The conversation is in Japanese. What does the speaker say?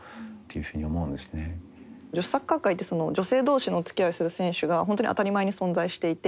女子サッカー界って女性同士のおつきあいをする選手が本当に当たり前に存在していて。